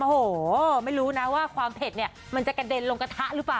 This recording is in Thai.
โอ้โหไม่รู้นะว่าความเผ็ดเนี่ยมันจะกระเด็นลงกระทะหรือเปล่า